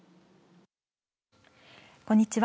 こんにちは。